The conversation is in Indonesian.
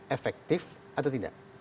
efektif atau tidak